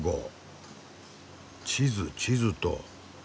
地図地図と。